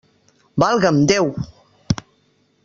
Valga'm Déu!